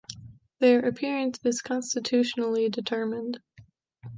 Their appearance is constitutionally determined.